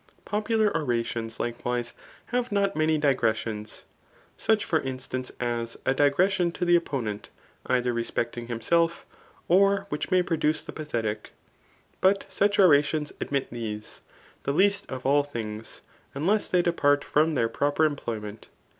Popular orations, likewise, have not many digresdons ; such for instance as, a digression to the opponent, dther respecting himself, or which may produce the pathetic ; but such oradons admit these, the least of all things, unless they depart from their proper employment.